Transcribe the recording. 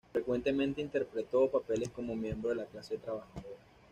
Frecuentemente interpretó papeles como miembro de la clase trabajadora.